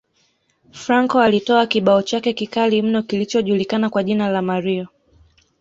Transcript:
Franco alitoa kibao chake kikali mno kilichojulikana kwa jina la Mario